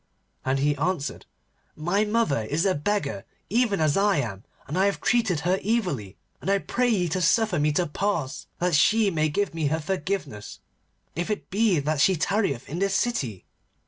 And he answered, 'My mother is a beggar even as I am, and I have treated her evilly, and I pray ye to suffer me to pass that she may give me her forgiveness, if it be that she tarrieth in this city.